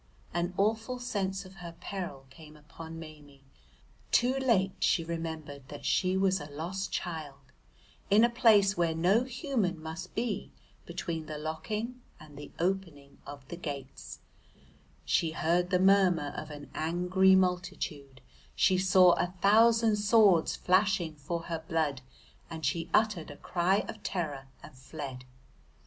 An awful sense of her peril came upon Maimie, too late she remembered that she was a lost child in a place where no human must be between the locking and the opening of the gates, she heard the murmur of an angry multitude, she saw a thousand swords flashing for her blood, and she uttered a cry of terror and fled.